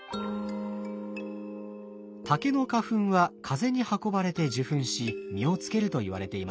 竹の花粉は風に運ばれて受粉し実をつけるといわれています。